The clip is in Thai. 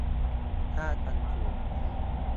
ถ้าทำถูก